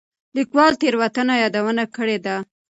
ليکوال تېروتنه يادونه کړې ده.